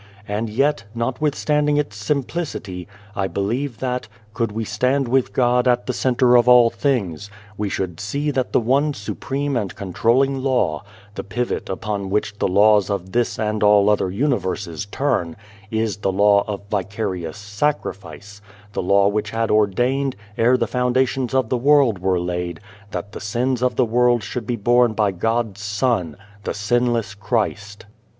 And yet, not withstanding its simplicity, I believe that, could we stand with God at the centre of all things, we should see that the one supreme 177 N The Child, the Wise Man and controlling Law the pivot upon which the laws of this and all other universes turn is the law of vicarious sacrifice, the law which had ordained, ere the foundations of the world were laid, that the sins of the world should be borne by God's Son, the sinless Christ."